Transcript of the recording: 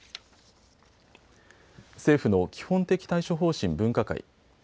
政府の基本的対処方針分科会。